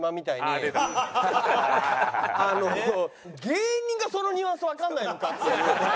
芸人がそのニュアンスわからないのかっていう。